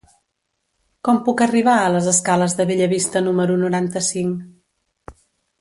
Com puc arribar a les escales de Bellavista número noranta-cinc?